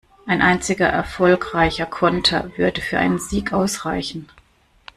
Ein einziger erfolgreicher Konter würde für einen Sieg ausreichen.